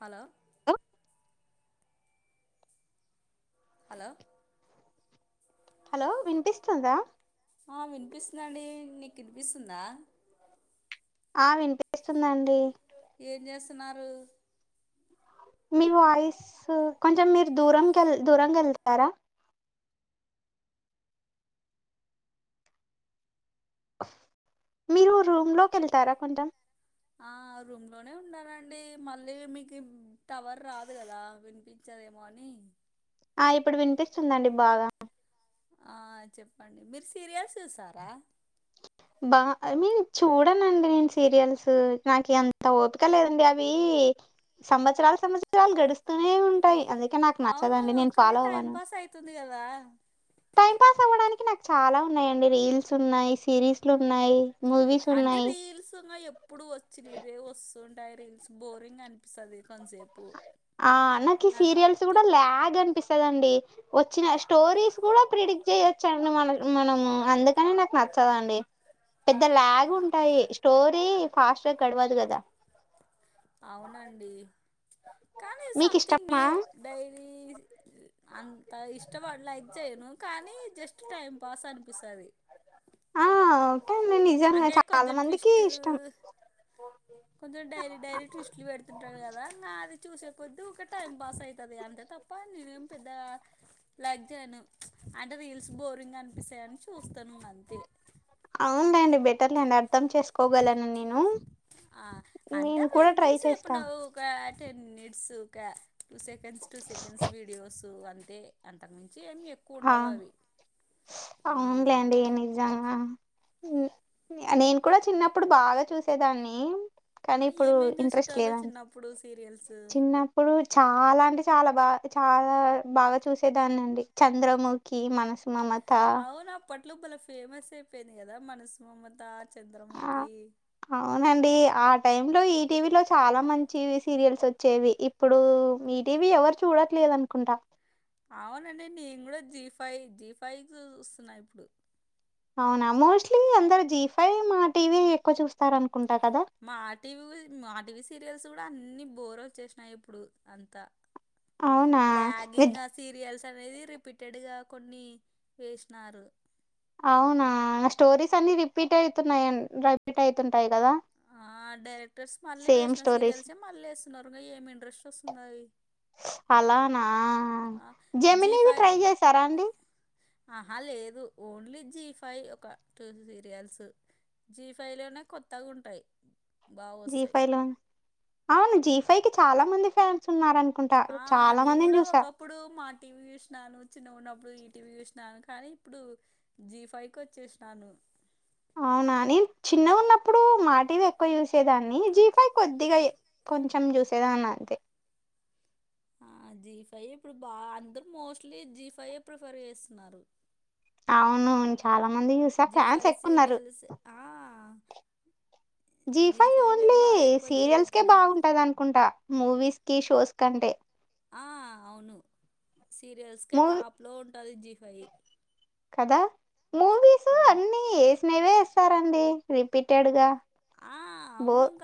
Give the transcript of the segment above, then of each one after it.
Hello hello hello hello వినిపిస్తుందా ఆ వినిపిస్తుందండి నీకు వినిపిస్తుందా ఆ వినిపిస్తుందండి ఏం చేస్తున్నారు మీ వాయిస్ కొంచెం మీరు దూరంకెల్ దూరంగెళ్తారా మీరు రూమ్ లోకి వెళ్తారా కొంచం ఆ రూమ్ లోనే ఉన్నానండి మళ్ళీ మీకు టవర్ రాదు కదా వినిపించ దేమో అని ఆ ఇప్పుడు వినిపిస్తుందండి బాగా ఆ చెప్పండి మీరు సీరియల్స్ చూస్తారా బా ఐ మీన్ చూడనండి నేను సీరియల్స్ నాకు ఎంత ఓపిక లేదండి అవి సంవత్సరాలు సంవత్సరాలు గడుస్తనే ఉంటాయి నాకు అవును నచ్చదండి నేను కానీ ఫాలో టైం అవ్వను పాస్ అయితుంది కదా టైం పాస్ అవ్వడానికి చాలా ఉన్నాయిండి రీల్స్ ఉన్నాయి సిరీస్లున్నాయి అంటే రీల్స్ ఇగ ఎప్పుడు వచ్చినవే వచ్చు టాయి రీల్స్ బోరింగ్ అనిపిస్తది కొంతసేపు ఆ నాకి సీరియల్స్ కూడా నథింగ్ ల్యాగ్ అనిపిస్తదండి వచ్చిన స్టోరీస్ కూడా ప్రిడిక్ట్ చేయొచ్చండి మన మనము అందుకనే నాకు నచ్చదండి పెద్ద లాగ్ ఉంటాయి స్టోరీ ఫాస్ట్ గా గడవదు కదా అవునండి కానీ సంథింగ్ మీకిష్టమా? న్యూ డైలీ ఆ ఇష్టపడి లైక్ చేయను కానీ జస్ట్ టైం పాస్ అనిపిస్తది ఆ ఉంటాండి నిజంగా అంటే చాలా కొంచెం మందికి ట్విస్ట్ ఇష్టం కొంచెం డైలీ డైలీ ట్విస్ట్లు పెడుతుంటారు కదా నా అది చూసే కొద్ది ఊకె టైం పాస్ అయితది తప్ప నేనేం పెద్ద లైక్ చేయను అంటే రీల్స్ బోరింగ్ అనిపిస్తాయని చూస్తను అంతే అవునులేండి బెటర్లేండి అర్థం చేసుకోగలను నేను, ఆ అంటే నేను అవి కూడా ట్రై చేస్తా సూకా two seconds two seconds videos అంతే అంతక్ మిం ఆ ఆ ఔన్లేండి నీ గానా ఉమ్ ఇంగ్య నేన్ కూడా చిన్నప్పుడు బాగా చూసేదాన్ని ఆ, కానీ ఇప్పుడు ఏమేం ఇంట్రెస్ట్ చూసేటోళ్ళు లేదన్ చిన్నప్పుడు సీరియల్స్ చిన్నప్పుడు చాలా అంటే చాలా బా చాలా బాగా చూసేదానండి చంద్రముఖి మనసుమమత లోపల ఫేమస్ ఐపెంద్ గదా మనసు మమతార్ చంద్రముఖి టైం లో ఈటీవీ లో చాలా మంచి సీరియల్స్ వచ్చేవి ఇప్పుడు మీటీవీ ఎవ్వర్ చూడట్లే లేదనుకుంటా ఔనండి నేన్ గూడా జీ ఫై జీ ఫై జూస్తున్నా ఇప్పుడు ఔనా మోస్ల్టీ అందరు జీ ఫై మా టీవీ ఎక్కు చూస్తరన్ మా టీవీ వివ్ మా టీవీ సీరియల్స్ గూడా అన్ని బోరోచ్చేసినైయ్ ఇప్పుడు అంతా ఔనా వెజ్ కనేది రిపీటెడు గా కొన్ని వేశ్ నారు ఔనా స్టోరీస్ అన్ని రిపీట్ ఐతున్నాయన్ రైపీటైతుంటాయి గదా ఆ డైరెక్టర్స్ మళ్ళీ వేసిన స్టోరీస్. సీరియల్సే మళ్ళేస్తున్నరు ఇగ ఏమ్ ఇంట్రెస్ట్ వోస్తునది అలానా జీ జెమినివి ఫైవ్ ట్రై జేసారా అండి ఆహా లేదు ఓన్లీ జీ ఫై ఒక టూ సీరియల్సు జీ ఫై లోనే కొత్త గుంటాయ్ జీ ఫై లా ఔన్ జీ ఫై కి చాలా మంది ఫ్యాన్స్ ఉన్నరాన్ ఆ నేన్ గూడా ఒకప్పుడు మాటివి జూషినాను చిన్నగున్నప్పుడు ఈటీవీ జూస్నా కానీ ఇప్పుడు జి ఫై కోచ్చేశ్ నాను ఔనా నేన్ చిన్నగున్నప్పుడు మా టివే ఎక్కు యూశేదాన్ని జి ఫై కొద్దిగా ఏ కొంచమ్ జ్ చూసేదాన్నా అంతే ఆ జీ ఫైయే ఇప్పుడు బా అందర్ మోస్ట్లీ జీ ఫైయే ప్రిఫర్ ఏస్సున్నారు ఔనున్ చాలా మంది యుసా జీ ఫ్యాన్స్ ఫైవ్ ఎక్కున్నరు సీరియల్స్ ఆ జీ ఫై ఫైవే ఓన్లీ బాగా ఎక్కువ సీర్ యల్స్ కే జరుగుతున్నాయి బాఉంటదనుకుంటా మూవీస్ కి షోస్ కంటే ఆ ఔను సీరి యల్స్ కే మూవీ టాప్లో ఉంటది జీ ఫై కదా మూవీస్ అన్ని యేసినవే వేస్తారండి రిపీటెడ్ గా బోర్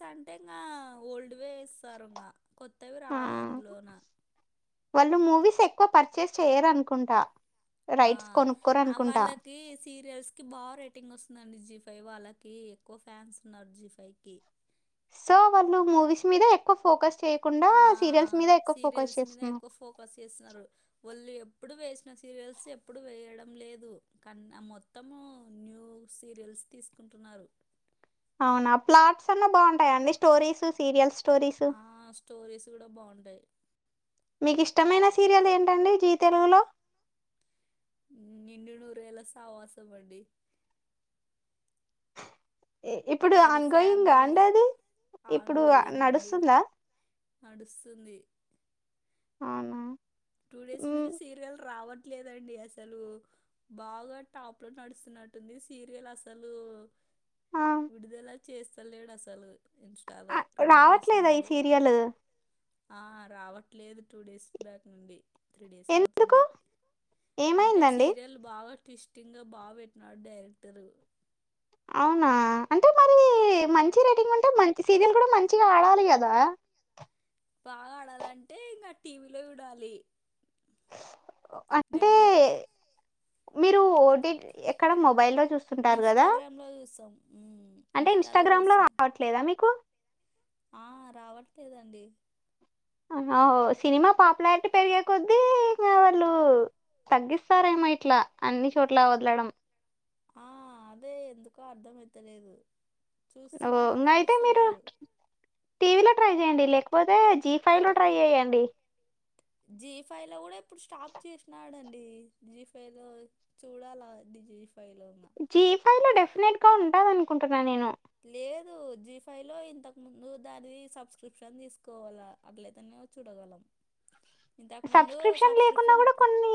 కంటేనా ఓల్డ్ వే వేస్తారూంగా కొత్తవి ఆ రావ్ అందులోన వాళ్ళు మూవీస్ ఎక్కు పర్చెస్ చెయ్ రనుకుంటా ఆ ఆ వాళ్ళకి సీరియల్స్ కి బా రెట్ టింగోస్తుందండి జి ఫై వాళ్ళకి ఎక్కువ ఫ్యాన్స్ ఉన్నరు జి ఫై కి సో వాళ్ళు మూవీస్ మీద ఎక్కు ఫోకస్ చేయకుండా ఆ ఆ సీరియల్స్ మీద ఎక్కువ ఫోకస్ సీరియల్స్ మీద చేస్తున్నారు ఎక్కువ్ ఫోకస్ సేస్సున్నరు ఒళ్ళి ఎప్ ప్పుడు వేశ్న సీరియల్స్ ఎప్పుడు వేయడం లేదు కన్నా మొత్తము న్యూ సీరియల్స్ తీస్ కుంటున్నారు ఔనా ప్లాట్స్ అన్నా బాఉంటాయండి స్టోరీస్ సీరియల్స్ ఆ స్టోరీస్ గుడా బాఉంటాయ్ మీక్ ఇష్టమైన సీరియల్ ఏంటండి జీ తెలుగులో హ్మ్ నిండు నూరేళ్ల సావాసమండి ఇప్పుడు అది అన్గోయింగ్ ఫ్యామిలీ అండి అది ఆన్ ఇప్పుడు గోయింగ్ అండి నడుస్తుందా నడుస్తుంది అవునా టూ డేస్ మ్, నుంచి సీరియలు రావ లేదండి అసలు బాగా టాప్ లో నడుస్తున్నట్టుంది సీరియల్ అసలు ఆ. విడుదలా చేస్తా లేడు అసలు ఇన్స్టాలో ఆ, రిలీజ్ రావట్లేదా ఈ చేసలేడు సీరియల్ ఆ రావట్లేదు టూ డేస్ బ్యాక్ నుండి త్రీ డేస్ ఎందుకు అవుతుంది అంటే ఏమైందండి సీరియల్ బాగా టిస్టింగ్గా బాగా పెట్టినాడు డైరెక్టరు అవునా అంటే మరి మంచి రేటింగ్ ఉంటే మంచి సీరియల్ కూడా మంచిగా ఆడాలి కదా బాగా ఆడాలంటే ఇంకా టీవీలో చూడాలి అంటే డైలీ మీరు ఓటీ ఎక్కడ మొబైల్ లో చూస్తుంటారు కదా ఇన్స్టాగ్రామ్ లో చూస్తాం ఉమ్, అంటే ఇన్స్టాలో ఇన్స్టాగ్రామ్ లో చూస్తాం రావట్లేదా మీకు ఆ రావట్లేదండి ఆ సినిమా పాపులారిటీ పెరిగే కొద్దీ ఇంకా వాళ్ళు తగ్గిస్తారేమో ఇట్లా అన్ని చోట్ల వదలడం ఆ అదే ఎందుకో అర్థమయితలేదు ఓ ఇంకా అయితే మీరు టీవీలో ట్రై చేయండి లేకపోతే జీ ఫైవ్ లో ట్రై చేయండి జీ ఫైవ్ లో కూడా ఇప్పుడు స్టాప్ చేసినాడండి జీ ఫైవ్ లో చూడాలా దివి జీ ఫైవ్ లో డెఫినెట్ గా ఉంటదనుకుంటున్నా నేను లేదు జీ ఫై లో ఇంతకు ముందు దానిది సబ్స్క్రిప్షన్ తీసుకోవాలా అట్లేతనే చుడగలం సబ్స్క్రిప్షన్ లేకున్నా కూడా కొన్ని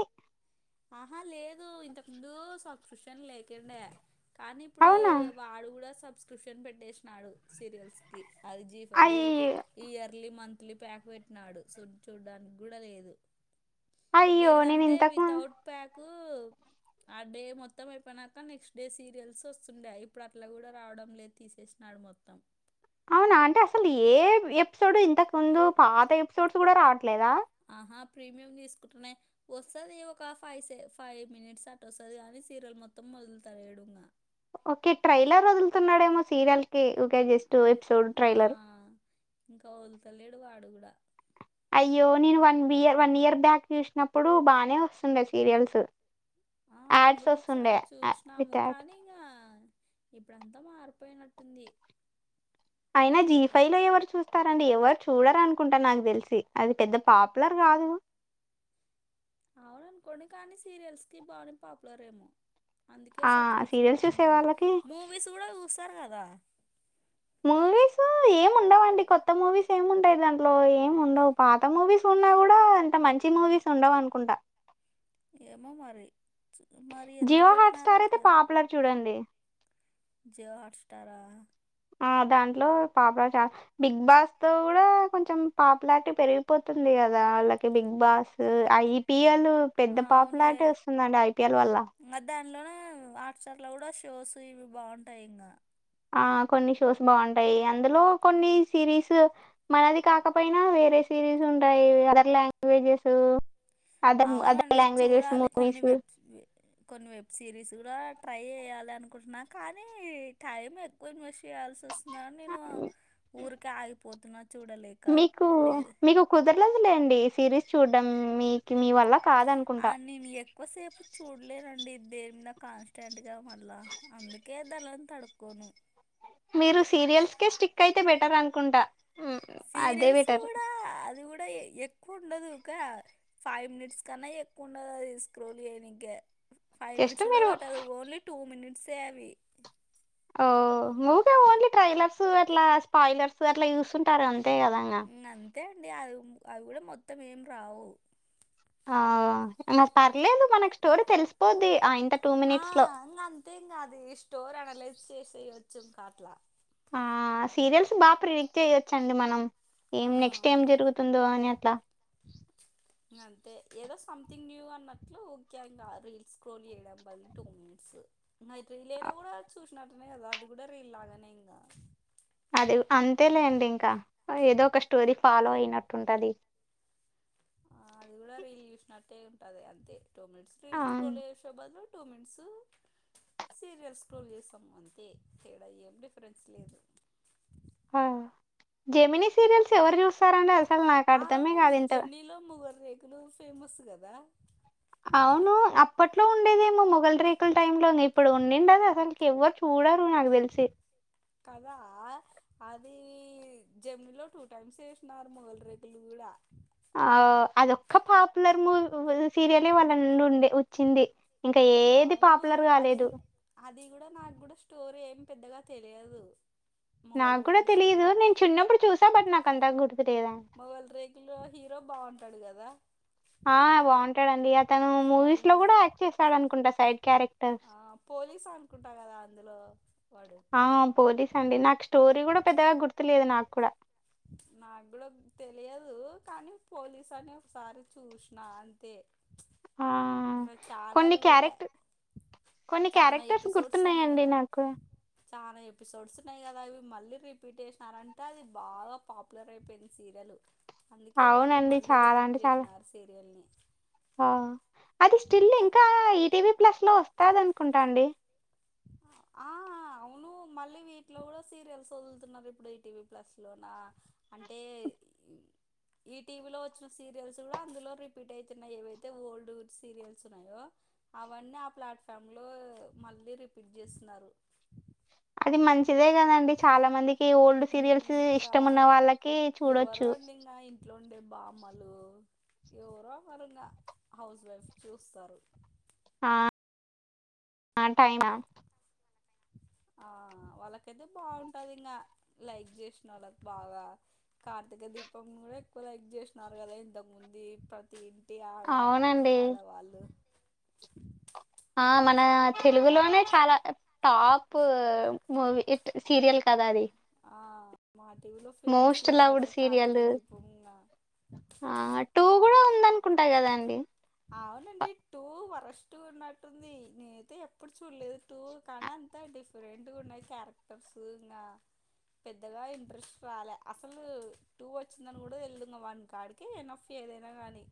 ఆహా లేదు ఇంతకు ముందు సబ్స్క్రిప్షన్ లేకండే కానీ ఇప్పుడు అవునా వాడు కూడా సబ్స్క్రిప్షన్ పెట్టేసినాడు సీరియల్స్ కి అది జీ ఫై అయ్య ఇయర్లీ మంత్ ఇలి ప్యాక్ పెట్టినాడు సు చూడ్డానికి కూడా లేదు అయ్యో నేను లేదంటే ఇంతకు ము వితౌట్ ప్యాక్ ఆ డే మొత్తం అయిపోయినాక నెక్స్ట్ డే సీరియల్స్ వస్తుండే ఇప్పుడు అట్లా కూడా రావడం లేదు తీసేసినాడు మొత్తం అవునా అంటే అసలు ఏ ఎపిసోడ్ ఇంతకు ముందు పాత ఎపిసోడ్స్ కూడా రావట్లేదా ఆహా ప్రీమియం తీసుకుంటునే వస్తది ఒక ఫైవ్ సే ఫైవ్ మినిట్స్ అట్ట వస్తది కానీ సీరల్ మొత్తం మొదలుత ఏడున్న ఓకే ట్రైలర్ వదులుతున్నాడేమో సీరియల్ కి ఒక జస్ట్ ఎపిసోడ్ ఆ ట్రైలర్ ఇంకా వలుతల్లేడు వాడు కూడా అయ్యో నేను one beer one year back చూసినప్పుడు బానే వస్తుండే సీరియల్స్ ఆ మేము యాడ్స్ కూడా వస్తుండే ఒకసారి చూసినాము విత్ యాడ్ కానీ ఇగ ఇప్పుడంతా మారిపోయినట్టుంది అయినా జీ రే ఫైవ్ లో ఎవరు చూస్తార అండి ఎవరు చూడరు అనుకుంటా నాకు తెలిసి అది పెద్ద పాపులర్ కాదు అవును అనుకోండి కానీ సీరియల్స్ కి బాగానే పాపులర్ ఏమో అందుకే ఆ సబ్స్క్రిప్షన్ సీరియల్స్ చూసే పెట్టింటాడు వాళ్ళకి మూవీస్ కూడా చూస్తారు కదా మూవీస్ ఏమిండవండి కొత్త మూవీస్ ఏముండయి దాంట్లో ఏం ఉండవు పాత మూవీస్ ఉన్నా గుడా అంత మంచి మూవీస్ ఉండవనుకుంట ఏమో మరి మరి ఎందుకు జియో హాట్ పెట్టినారో స్టార్ అట్ల అయితే పాపులర్ చూడండి జియో హాట్ స్టారా ఆ దాంట్లో పాపులచా బిగ్ బాస్ తో గుడా కొంచెం పాపులారిటీ పెరిగిపోతు గదా ఆళ్ళకి big boss I P L పెద్ద ఆ, అవునులే పాపులారిటి వస్తుందండి ఐ పి ఎల్ వల్ల హాట్సార్ లో గుడా షోస్ ఇవి బాగుంటాయి ఇంగ ఆ కొన్ని షోస్ బాగుంటాయి అందులో కొన్ని సిరీస్ మనది కాకపోయినా వేరే సిరీస్ ఉంటాయి అదర్ లాంగ్వేజెస్ అదర్ అదర్ అవునండి లాంగ్వేజెస్ చూడాలి కొన్ని మూవీస్ వెబ్ కొన్ని వెబ్ సిరీస్ గుడా ట్రై చేయాలి అనుకుంటున్నా కానీ టైం ఎక్కువ ఇన్వెస్ట్ చెయాల్సి నేను ఊరికే ఆగిపోతున్న మీకు మీకు కుదర్లేదులేండి సిరీస్ చూడ్డం మీక్ మీ వల్ల ఆ కాదనుకుంటా నేను ఎక్కువసేపు చూడ్లేనండి దేనిమింద కాన్స్టెంట్గా మళ్ళా అందుకే ధన్ల తడుక్కోను మీరు సీరియల్స్ కే స్టిక్ అయితే బెటర్ అనుకుంటా ఉమ్, అదే సీరియల్స్ బెటర్ గుడా అది గుడా ఎ కుండదు కా ఫైవ్ మినిట్స్ కన్నా ఎక్కువుండడది స్క్రోల్ చేయనీకె ఫైవ్ జస్ట్ మిట్స్ గుడా మీరు వట్టదు ఓన్లీ టూ మినిట్సే అవి ఆ మూగా ఓన్లీ ట్రైలర్స్ అట్లా స్పాయిలర్స్ అట్లా చూస్తుంటారన్ తేగదంగా ఇంక అంతే అండి అవి గూడ మొత్తం ఏం రావు ఆ నా పర్లేదు మనకు స్టోరీ తెలిసిపోద్ది టూ ఆ మినిట్స్ లో ఇంగ అంతే ఇంగది స్టోర్ అనలైజ్ చేసేయొచ్చు ఇంకాట్లా ఆ సీరియల్స్ బాగా ప్రిడిక్ట్ చేయ్యొచ్చండి మనం ఏం నెక్స్ట్ ఆ ఏం జరుగుతుందో అని ట్ల ఇంగంతే ఏదో సంథింగ్ న్యూ అన్నట్లు ఓకేంగా రీల్స్ స్క్రోల్ చేయడం బదులు టూ మినిట్స్ రీలైనా గూడా చూసినట్టునే గదా అది గూడ రీల్ లాగానే ఇంగ అది అంతేలేండి ఇంకా ఏదో ఒక స్టోరీ ఫాలో అయినట్టుంటుది ఆ అది గూడా రీల్ చూసినట్టే ఉంటాది అంతే టూ మినిట్స్ ఆ రీల్స్ స్క్రోల్ చేసే బదులు టూ మింట్స్ సీరియల్స్ స్క్రోల్ చేసాము అంతే తేడా ఏం డిఫరెన్స్ లేదు జెమిని సీరియల్స్ ఎవరు చూస్తారండి అసలు నాకర్థమే గాదు ఇంటో తులు ఫేమస్ గదా అవును అప్పట్లో ఉండేదేమో మొఘలు రేకులు టైమ్ లోని ఇప్పుడు ఉనిండదు అసలుకి ఎవరు చూడ కథా అద్ జెమిని లో టూ టైమ్స్ వేసినారు మొగలి రేకులు గూడా ఆ వాళ్ళండుండే వచ్చింది ఇంక ఏది అవును పాపులర్ అది గాలేదు అది గూడా నాగ్గూడ స్టోరీ ఏం పెద్దగా తెలియదు మొగల్ నాకు కూడా రేకులు తెలియదు స్టోరీ నేను చిన్నప్పుడు చూసా బట్ నాకు అంత గుర్తులేదండి మొగల్ రేకుల్లో హీరో ఉంటడు గదా ఆ బాగుంటాడండి తను మూవీస్ లో వాళ్ళు గుడా యాక్ట్ చేసాడనుకుంటా సైడ్ క్యారెక్టర్ ఆ పోలీస్ అనుకుంటా కదా అందులో వాడు ఆ పోలీస్ అండి నాకు స్టోరీ గుడా పెద్దగా గుర్తులేదు నాక్కుడ నాక్కూడా తెలియదు కానీ పోలీస్ అని ఒకసారి చూసిన అంతే, ప్చ్ ఆ నేను చాలా కొన్ని చూడలే క్యారెక్టర్ కొన్ని క్యారెక్టర్స్ గుర్తున్నాయండి నాకు చానా ఎపిసోడ్స్ ఉన్నాయి కదా అవి మళ్ళీ రిపీట్ చేసినారంటే అది బాగా పాపులర్ అయిపోయింది సీరియల్ అందుకే వాళ్ళు అవునండి మళ్ళీ చాలా రిపీట్ అంటే చాలా చేసినారు సీరియల్ని ఆ అది స్టిల్ ఇంకా ఈటీవీ ప్లస్ లో వస్తాది అనుకుంటా అండి అ ఆ అవును మళ్ళీ వీట్లో కూడా సీరియల్స్ వదులుతున్నారు ఇప్పుడు ఈటీవీ ప్లస్ లోన. అంటే ఈ టీవీ లో వచ్చిన సీరియల్స్ కూడా అందులో రిపీట్ అవుతున్నాయి, ఏవైతే ఓల్డ్ సీరియల్స్ ఉన్నాయో అవన్నీ ఆ ప్లాట్ఫామ్ లో మళ్ళీ రిపీట్ చేస్తున్నారు అది మంచిదే గదండీ! చాలా మందికి ఓల్డ్ సీరియల్స్ ఇంకా ఇష్టమున్న వాళ్ళకి ఎవరో చూడొచ్చు. అండి ఇంగా ఇంట్లో ఉండే బామ్మలు ఎవరో ఒకరింగా హౌజ్ వైఫ్స్ చూస్సరు ఆ వంటైనా ఆ అ వాళ్ళకైతే బాగుంటది ఇంగా లైక్ చేసిన వాళ్ళకి బాగా కార్తీక దీపం, నువ్ ఎక్కువ లైక్ చేసిననారు కదా ఇంతకుముంది ప్రతి టి ఆడ అవునండి. ఆడ వాళ్ళు ప్చ్ ఆ మన తెలుగులోనే చాలా టాప్ మూవీ హిట్ సీరియల్ కదా అది. ఆ మాటీవి లో ఫేమస్ మోస్ట్ లవ్డ్ కదా కార్తీక సీరియల్. దీపం ఇంగ ఆ టూ కూడా ఉందనుకుంటా కదాండి అవునండి టూ వరస్ స్ట్ గా ఉన్నట్టుంది నేనైతే ఎప్పుడు చూడలేదు టూ కానీ అంత డిఫరెంట్ గా ఉన్నాయి క్యారెక్టర్ సూనా పెద్దగా ఇంట్రెస్ట్ రాలే అసలు టూ వచ్చిందని కూడా తెల్దు, ఇంగ వన్ కాడికి ఎన ఫే ఏదైనా గానీ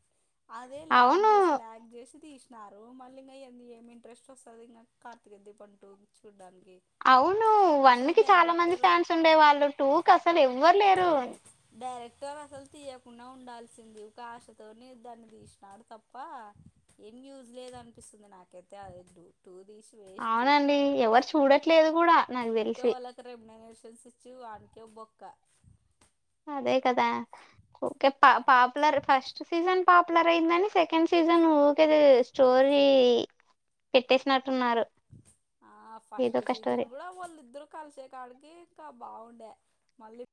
అవును ప్యాక్ చేసి తీసినారు మళ్ళీ ఇంగా ఏంది ఏమి ఇంట్రెస్ట్ వస్తాది ఇంగ కార్తీకదీపం టూ చూడ్డానికి. అవును వన్ అసలు కి చాలా మంది డైరెక్టర్ ఫ్యాన్స్ ఉండేవాళ్ళు టూకి అసలు ఎవ్వరులేరు. కాదు అసలు తీయకుండా ఉండాల్సింది ఒకాశతోనే దాన్ని తీసినాడు తప్ ప్ప ఏం యూజ్ లేదు అనిపిస్తుంది నాకైతే ఆ ఎడ్లు అవునండి ఎవ్వరు చూడట్లేదు కూడా నాకు ఊకే తెలిసి వాళ్ళకి రెమ్యునరేషన్స్ ఇచ్చు వానికే బొక్క అదే కదా ఓకే పా పాపులర్ ఫస్ట్ సీజన్ పాపులర్ అయిందని సెకండ్ సీజన్ ఊరకనే స్టోరీ పెట్టేసినట్టున్నారు ఆ ఏదో ఫస్ట్ ఒక స్టోరీ సీజన్ కూడా వాళ్ళిద్దరు కలిసే కాడికి కాబ్ బాగుండే మళ్ళీ